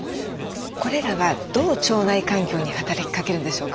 これらはどう腸内環境に働きかけるんでしょうか？